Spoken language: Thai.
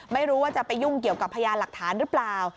ไม่รู้ว่าจะไปยุ่งเกี่ยวกับพยานหลักฐานหรือเปล่า